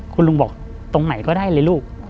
คุณลุงบอกตรงไหนก็ได้เลยลูก